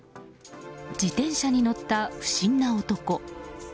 自転車に乗った不審な男。